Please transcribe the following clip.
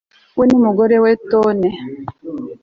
we n umugore we tone